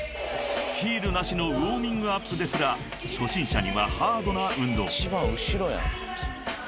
［ヒールなしのウオーミングアップですら初心者にはハードな運動］